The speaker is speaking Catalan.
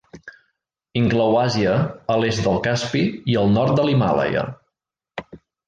Inclou Àsia a l'est del Caspi i al nord de l'Himàlaia.